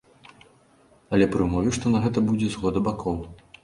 Але пры ўмове, што на гэта будзе згода бакоў.